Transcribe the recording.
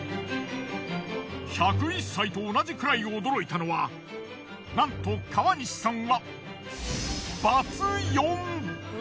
１０１歳と同じくらい驚いたのはなんと川西さんはバツ４。